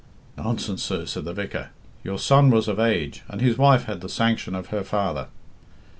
'Nonsense, sir,' said the vicar. 'Your son was of age, and his wife had the sanction of her father.